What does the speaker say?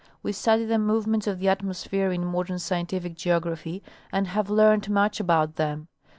We study the movements of the atmosphere in modern scientific geography, and have learned much about them.